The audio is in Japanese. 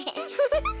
フフフ。